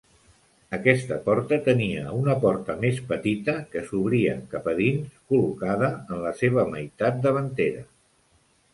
Aquesta porta tenia una porta més petita, que s'obria cap a dins, col·locada en la seva meitat davantera.